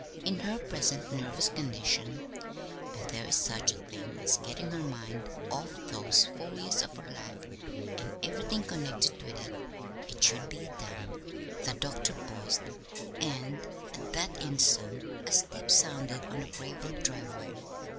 In her present nervous condition, if there is such a thing as getting her mind off those four years of her life and everything connected with it, it should be done." The doctor paused, and at that instant a step sounded on the graveled driveway.